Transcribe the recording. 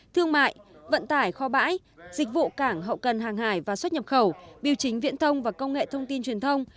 thương mại vận tải kho bãi dịch vụ cảng hậu cần hàng hải và xuất nhập khẩu biểu chính viễn thông và công nghệ thông tin truyền thông